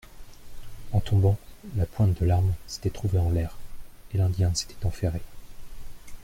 En tombant, la pointe de l'arme s'était trouvée en l'air et l'Indien s'était enferré.